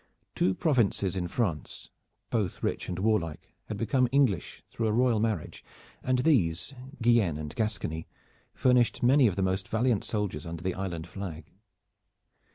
Two Provinces in France, both rich and warlike, had become English through a royal marriage, and these, Guienne and Gascony, furnished many of the most valiant soldiers under the island flag.